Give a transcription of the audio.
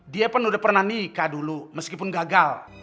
dia pun udah pernah nikah dulu meskipun gagal